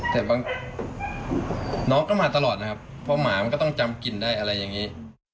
แต่บางน้องก็มาตลอดนะครับเพราะหมามันก็ต้องจำกลิ่นได้อะไรอย่างนี้